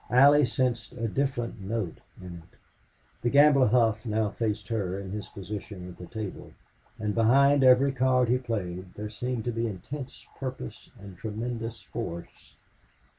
Allie sensed a different note in it. The gambler Hough now faced her in his position at the table; and behind every card he played there seemed to be intense purpose and tremendous force.